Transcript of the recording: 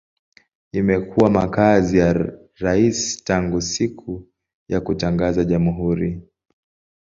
Imekuwa makazi ya rais tangu siku ya kutangaza jamhuri.